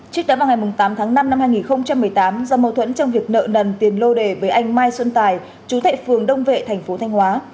trước đó vào ngày tám tháng năm năm hai nghìn một mươi tám do mâu thuẫn trong việc nợ nần tiền lô đề với anh mai xuân tài chú thệ phường đông vệ thành phố thanh hóa